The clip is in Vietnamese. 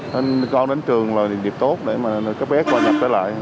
thế nên con đến trường là điểm tốt để mà các bé coi nhập lại